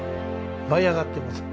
舞い上がってます。